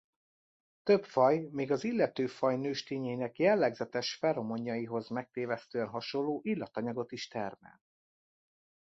Több faj még az illető faj nőstényeinek jellegzetes feromonjaihoz megtévesztően hasonló illatanyagot is termel.